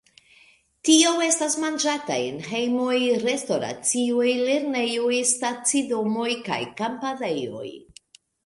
Tio estas manĝata en hejmoj, restoracioj, lernejoj, stacidomoj kaj kampadejoj.